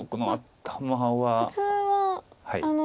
はい。